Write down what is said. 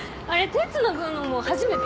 手つなぐのも初めて？